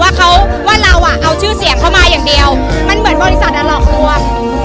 ว่าเขาว่าเราอ่ะเอาชื่อเสียงเข้ามาอย่างเดียวมันเหมือนบริษัทอ่ะหลอกลวง